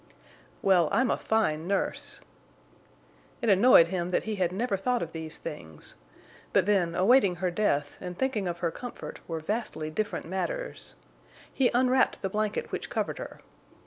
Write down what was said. "Well, I'm a fine nurse!" It annoyed him that he had never thought of these things. But then, awaiting her death and thinking of her comfort were vastly different matters. He unwrapped the blanket which covered her.